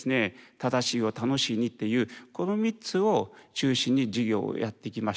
「正しいを楽しいに」っていうこの３つを中心に事業をやってきました。